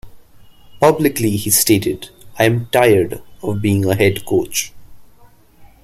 Publicly he stated, I'm tired of being a head coach.